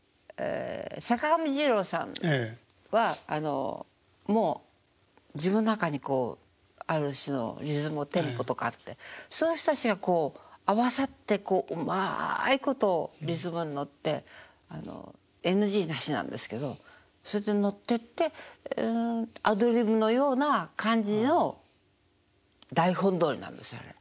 坂上二郎さんはあのもう自分の中にこうある種のリズムテンポとかあってそういう人たちがこう合わさってうまいことリズムに乗ってＮＧなしなんですけどそれで乗ってってアドリブのような感じの台本どおりなんですよあれ。